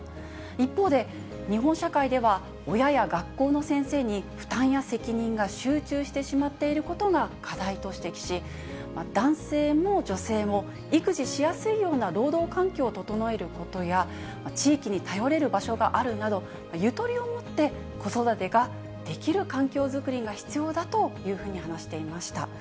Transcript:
一方で、日本社会では親や学校の先生に負担や責任が集中してしまっていることが課題と指摘し、男性も女性も、育児しやすいような労働環境を整えることや、地域に頼れる場所があるなど、ゆとりをもって子育てができる環境作りが必要だというふうに話していました。